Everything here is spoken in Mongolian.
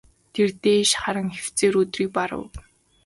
Тэр дээш харан хэвтсээр өдрийг барав.